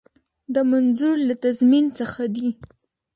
دا منظور له تضمین څخه دی.